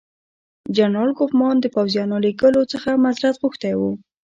جنرال کوفمان د پوځیانو لېږلو څخه معذرت غوښتی وو.